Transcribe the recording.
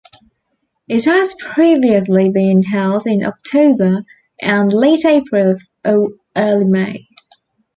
It has previously been held in October and late April or early May.